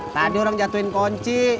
tadi orang jatuhin kunci